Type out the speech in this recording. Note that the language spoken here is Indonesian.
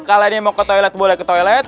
kalian yang mau ke toilet boleh ke toilet